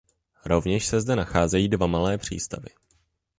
Rovněž se zde nacházejí dva malé přístavy.